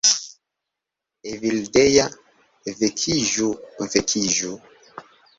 "Evildea... vekiĝu... vekiĝu..."